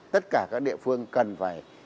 tất cả các địa phương cần phải